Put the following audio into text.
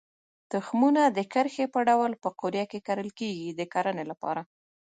تخمونه د کرښې په ډول په قوریه کې کرل کېږي د کرنې لپاره.